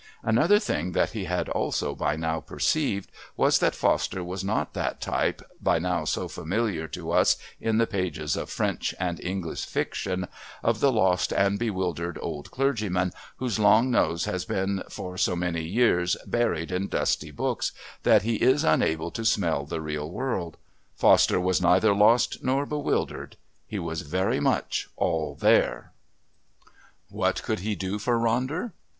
Another thing that he had also by now perceived was that Foster was not that type, by now so familiar to us in the pages of French and English fiction, of the lost and bewildered old clergyman whose long nose has been for so many years buried in dusty books that he is unable to smell the real world. Foster was neither lost nor bewildered. He was very much all there. What could he do for Ronder?